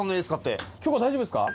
許可大丈夫ですか？